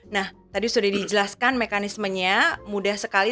nah tadi sudah dijelaskan mekanismenya mudah sekali